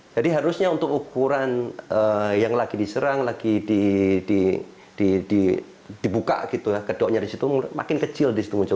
jadi harusnya untuk ukuran yang lagi diserang lagi dibuka gitu ya kedoknya di situ makin kecil di situ muncul